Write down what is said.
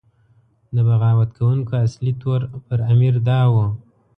د بغاوت کوونکو اصلي تور پر امیر دا و.